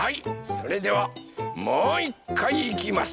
それではもういっかいいきます！